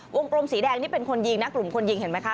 กลมสีแดงนี่เป็นคนยิงนะกลุ่มคนยิงเห็นไหมคะ